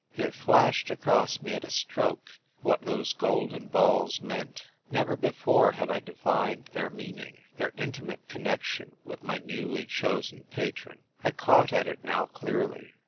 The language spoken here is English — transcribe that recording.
It flashed across me at a stroke what those golden balls meant. Never before had I divined their meaning — their intimate con nection with my newly chosen patron. 1 caught at it now clearly.